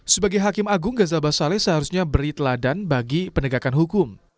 sebagai hakim agung gaza basale seharusnya beri teladan bagi penegakan hukum